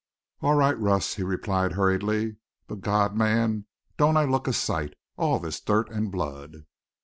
"All right, Russ," he replied hurriedly. "But, God, man, don't I look a sight! All this dirt and blood!"